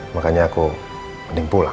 makanya aku mending pulang